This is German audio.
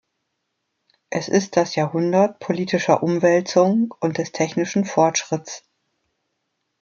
Es ist das Jahrhundert politischer Umwälzungen und des technischen Fortschritts.